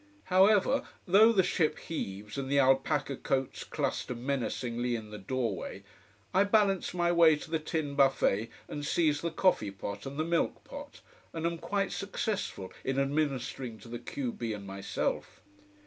However, though the ship heaves and the alpaca coats cluster menacingly in the doorway, I balance my way to the tin buffet and seize the coffee pot and the milk pot, and am quite successful in administering to the q b and myself.